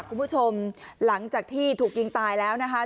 คุณผู้ชมหลังจากที่ถูกยิงตายแล้วนะคะ